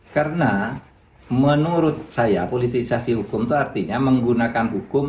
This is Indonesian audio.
karena menurut saya politisasi hukum itu artinya menggunakan hukum